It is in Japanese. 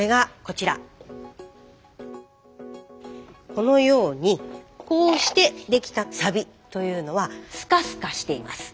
このようにこうしてできたサビというのはスカスカしています。